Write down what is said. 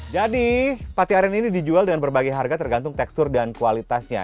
jadi pate aren ini dijual dengan berbagai harga tergantung tekstur dan kualitasnya